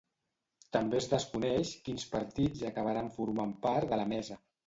També es desconeix quins partits acabaran formant part de la mesa.